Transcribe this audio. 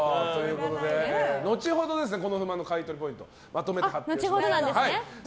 後ほどこの不満の買い取りポイントをまとめて発表します。